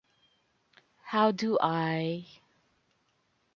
How do I...